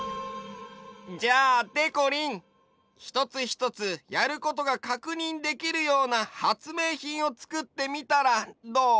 じゃあでこりんひとつひとつやることがかくにんできるような発明品をつくってみたらどう？